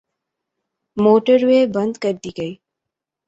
Motorway بند کردی گئی۔